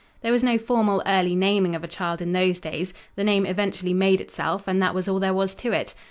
There was no formal early naming of a child in those days; the name eventually made itself, and that was all there was to it.